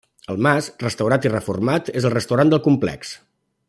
El mas, restaurat i reformat, és el restaurant del complex.